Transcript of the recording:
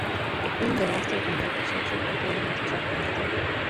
The Queen thereafter contacted Churchill and told him to drop the matter.